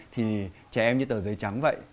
thì trẻ em như tờ giấy trắng vậy